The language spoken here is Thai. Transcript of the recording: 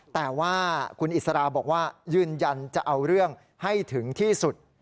แต่ว่าคุณอิสราบอกว่ายืนยันจะเอาเรื่องให้ถึงที่สุด